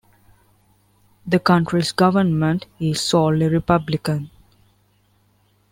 The county's government is solely Republican.